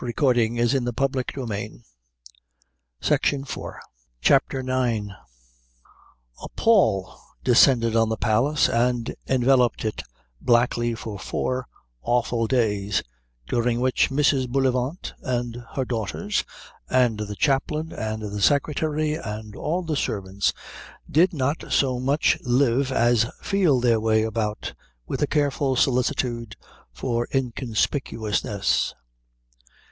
The Bishop left the room without a word. CHAPTER IX A pall descended on the Palace and enveloped it blackly for four awful days, during which Mrs. Bullivant and her daughters and the chaplain and the secretary and all the servants did not so much live as feel their way about with a careful solicitude for inconspicuousness.